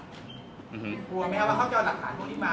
กลัวไม่หรือว่าเข้าไปเอาหลักฐานตรงที่บ้าน